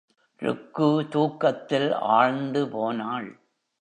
ருக்கு தூக்கத்தில் ஆழ்ந்து போனாள்.